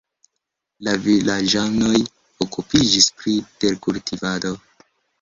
La vilaĝanoj okupiĝis pri terkultivado.